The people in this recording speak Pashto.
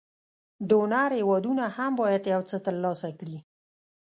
ډونر هېوادونه هم باید یو څه تر لاسه کړي.